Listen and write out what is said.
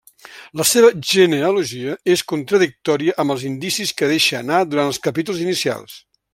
La seva genealogia és contradictòria amb els indicis que deixa anar durant els capítols inicials.